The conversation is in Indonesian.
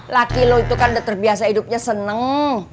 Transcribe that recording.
laki lo itu kan udah terbiasa hidupnya seneng